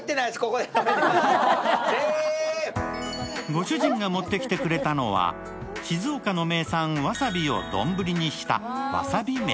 ご主人が持ってきてくれたのは静岡の名産、わさびを丼にしたわさび飯。